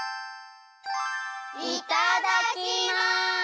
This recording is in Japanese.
いただきます！